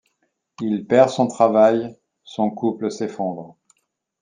Il perd son travail, son couple s'effondre.